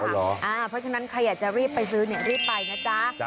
เพราะฉะนั้นใครอยากจะรีบไปซื้อรีบไปนะจ๊ะ